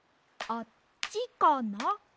あっちかな？